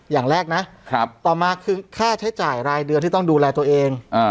อย่างแรกนะต่อมาคือค่าใช้จ่ายรายเดือนที่ต้องดูแลตัวเอง